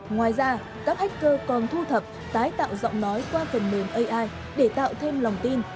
ngoài ra các hacker còn thu thập tái tạo giọng nói qua phần mềm ai để tạo thêm lòng tin